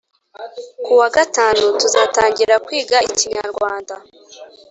Kuwagatanu tuzatangira kwiga ikinyarwanda